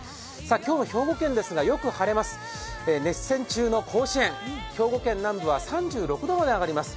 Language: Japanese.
今日の兵庫県ですが、よく晴れます熱線中の甲子園、兵庫県の南部では３６度まで上がります。